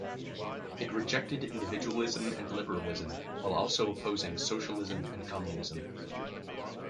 It rejected individualism and liberalism, while also opposing socialism and communism.